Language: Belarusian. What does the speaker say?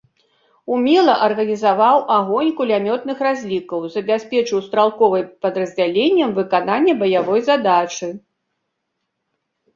Умела арганізаваў агонь кулямётных разлікаў, забяспечыў стралковай падраздзяленням выкананне баявой задачы.